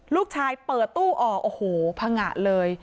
ลูกชายเปิดตู้ออกโอ้โหพังงะเลย